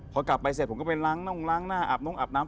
พอกลับไปเสร็จผมก็ไปล้างน่งล้างหน้าอาบนงอาบน้ำ